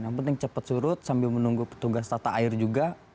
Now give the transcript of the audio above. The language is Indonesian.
yang penting cepat surut sambil menunggu petugas tata air juga